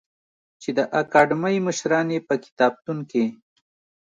چې د اکاډمۍ مشران یې په کتابتون کې